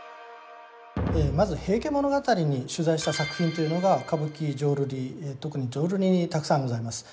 まず「平家物語」に取材した作品というのが歌舞伎浄瑠璃特に浄瑠璃にたくさんございます。